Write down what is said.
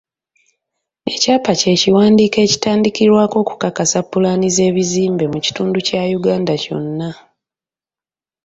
Ekyapa kye kiwandiiko ekitandikirwako okukakasa pulaani z'ebizimbe mu kitundu kya Uganda kyonna.